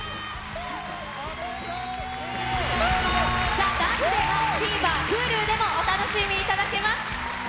ＴＨＥＤＡＮＣＥＤＡＹは、ＴＶｅｒ、ｈｕｌｕでもお楽しみいただけます。